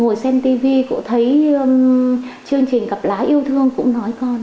ngồi xem tivi cũng thấy chương trình cặp lá yêu thương cũng nói con